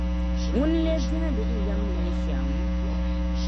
Ŋuni n-lee bɛhindi n yɛm ni nyɛ shɛm?